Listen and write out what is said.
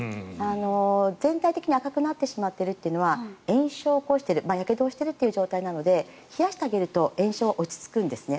全体的に赤くなってしまっているというのは炎症を起こしているやけどをしているという状態なので冷やしてあげると炎症は落ち着くんですね。